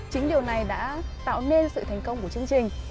chính điều này đã tạo nên sự thành công của chương trình